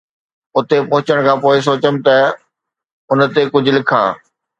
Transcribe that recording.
اتي پهچڻ کان پوءِ سوچيم ته ان تي ڪجهه لکان